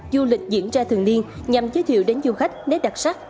du lịch diễn ra thường niên nhằm giới thiệu đến du khách nét đặc sắc